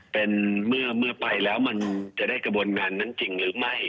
เป็นเมื่อไปแล้วมันจะได้กระบวนการนั้นจริงหรือไม่